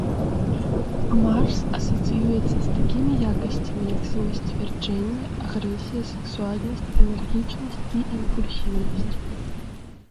Марс асацыюецца з такімі якасцямі, як самасцвярджэнне, агрэсія, сексуальнасць, энергічнасць і імпульсіўнасць.